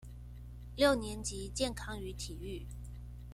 六年級健康與體育